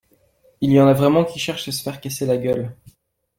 Il y en a vraiment qui cherchent à se faire casser la gueule